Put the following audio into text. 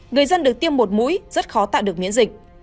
người dân được tiêm một mũi rất khó tạo được miễn dịch